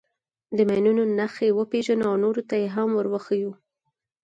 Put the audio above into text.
د ماینونو نښې وپېژنو او نورو ته یې هم ور وښیو.